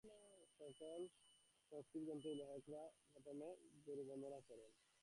সকল সংস্কৃত গ্রন্থেই লেখকেরা প্রথমে গুরুবন্দনা করেন।